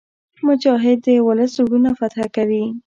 مجاهد د ولس زړونه فتح کوي.